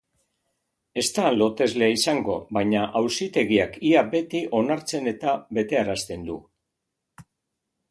Ez da loteslea izango, baina auzitegiak ia beti onartzen eta betearazten du.